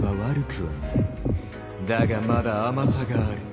だがまだ甘さがある。